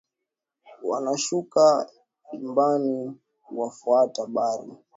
wanashuka dimbani kuwafuata bari